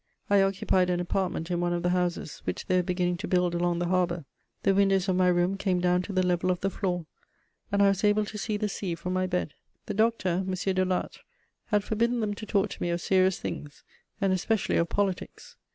I occupied an apartment in one of the houses which they were beginning to build along the harbour: the windows of my room came down to the level of the floor, and I was able to see the sea from my bed. The doctor, M. Delattre, had forbidden them to talk to me of serious things, and especially of politics.